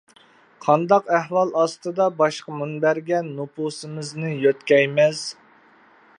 قانداق ئەھۋال ئاستىدا باشقا مۇنبەرگە نوپۇسىمىزنى يۆتكەيمىز.